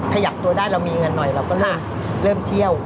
ขยับตัวได้เรามีเงินหน่อยเราก็เลยเริ่มเที่ยว